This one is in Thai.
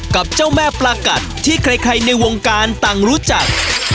กับเจ้าแม่ปลากัดที่ใครในวงการต่างรู้จัก